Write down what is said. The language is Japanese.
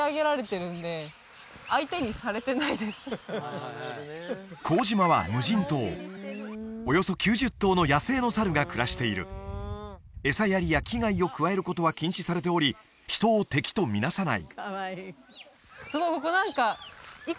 あああえ待って幸島は無人島およそ９０頭の野生の猿が暮らしている餌やりや危害を加えることは禁止されており人を敵と見なさない